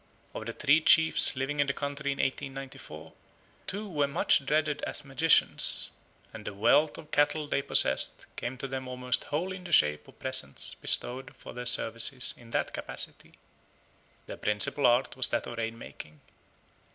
Of the three chiefs living in the country in 1894 two were much dreaded as magicians, and the wealth of cattle they possessed came to them almost wholly in the shape of presents bestowed for their services in that capacity. Their principal art was that of rain making.